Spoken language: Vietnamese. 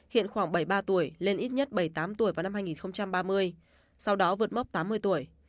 hiện khoảng bảy mươi ba tuổi lên ít nhất bảy mươi tám tuổi vào năm hai nghìn ba mươi sau đó vượt mốc tám mươi tuổi